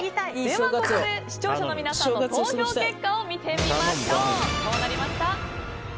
ここで視聴者の皆さんの投票結果を見てみましょう。